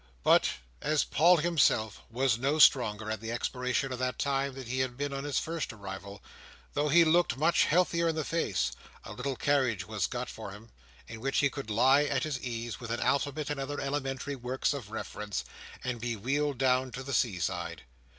But as Paul himself was no stronger at the expiration of that time than he had been on his first arrival, though he looked much healthier in the face, a little carriage was got for him, in which he could lie at his ease, with an alphabet and other elementary works of reference, and be wheeled down to the sea side.